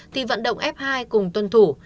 thì vận động f hai cùng tuân thủ